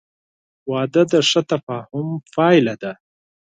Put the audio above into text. • واده د ښه تفاهم پایله ده.